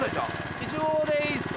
イチゴでいいですか？